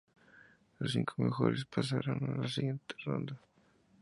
Los cinco mejores pasarán a la siguiente ronda.